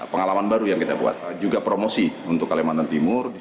pengalaman baru yang kita buat juga promosi untuk kalimantan timur